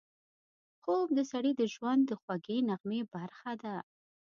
خوب د سړي د ژوند د خوږې نغمې برخه ده